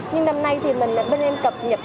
nhưng năm nay thì mình bên em cập nhập